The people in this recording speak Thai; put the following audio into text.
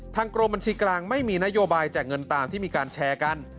กรมบัญชีกลางไม่มีนโยบายแจกเงินตามที่มีการแชร์กัน